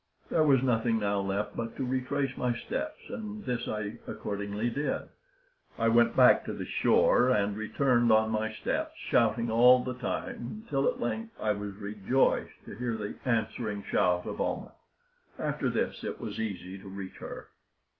There was nothing now left but to retrace my steps and this I accordingly did. I went back to the shore, and returned on my steps, shouting all the time, until at length I was rejoiced to hear the answering shout of Almah. After this it was easy to reach her.